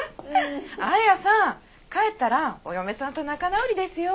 彩さん帰ったらお嫁さんと仲直りですよ。